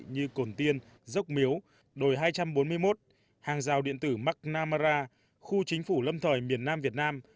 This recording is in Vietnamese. như cồn tiên dốc miếu đồi hai trăm bốn mươi một hàng rào điện tử mark namara khu chính phủ lâm thời miền nam việt nam